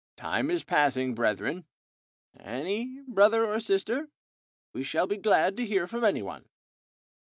.... Time is passing, brethren. .... Any brother or sister. .... We shall be glad to hear from any one."